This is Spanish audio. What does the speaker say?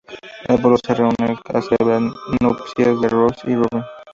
El pueblo se reúne para celebrar nupcias de Rose y Robin.